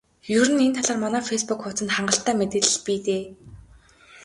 Ер нь энэ талаар манай фейсбүүк хуудсанд хангалттай мэдээлэл бий дээ.